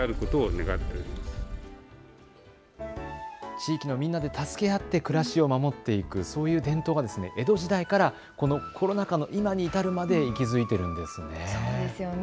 地域のみんなで助け合って暮らしを守っていく、そういう伝統が江戸時代からこのコロナ禍の今に至るまで息づいているんですね。